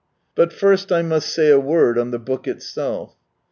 But first I must say a word on the book itself.